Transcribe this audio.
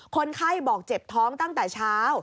คนไข้บอกเจ็บท้องตั้งแต่เช้า